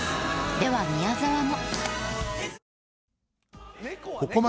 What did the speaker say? では宮沢も。